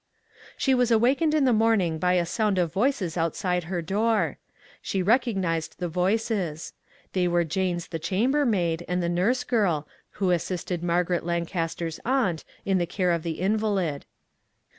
She was awakened in the morning by a sound of voices outside her door. She recognized the voices ; they were Jane's the chambermaid, and the nurse girl, who assisted Margaret Lan caster's aunt in the care of the invalid.